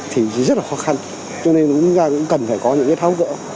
thì rất là khó khăn cho nên là chúng ta cũng cần phải có những cái tháo cỡ